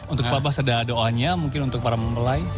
untuk bapak sedah doanya mungkin untuk para mempelai